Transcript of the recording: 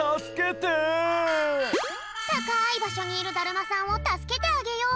たかいばしょにいるだるまさんをたすけてあげよう！